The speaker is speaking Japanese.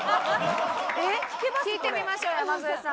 聞いてみましょう山添さん。